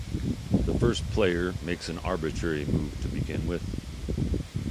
The first player makes an arbitrary move to begin with.